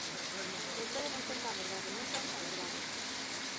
Vostede non conta a verdade, non conta a verdade.